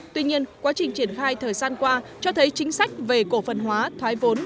tuy nhiên quá trình triển khai thời gian qua cho thấy chính sách về cổ phần hóa thoái vốn